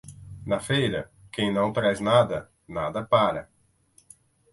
Na feira, quem não traz nada, nada para.